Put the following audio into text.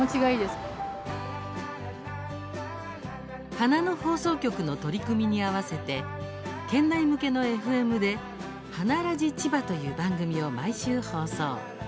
花の放送局の取り組みに合わせて県内向けのＦＭで「花ラジちば」という番組を毎週放送。